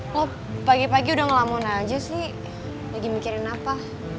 lo pagi pagi udah ngelammon aja sih lagi mikirin apa